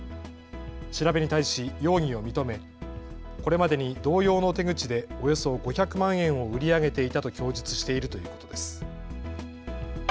調べに対し容疑を認めこれまでに同様の手口でおよそ５００万円を売り上げていたと供述しているということです。